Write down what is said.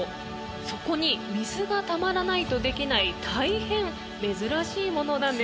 そこに水がたまらないとできない大変珍しいものなんです。